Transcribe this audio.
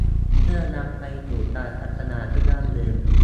เพื่อนำไปสู่การพัฒนาที่ยั่งยืน